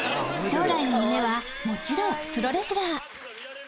将来の夢はもちろんプロレスラー。